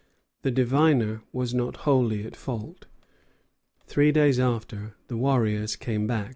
The diviner was not wholly at fault. Three days after, the warriors came back with a prisoner.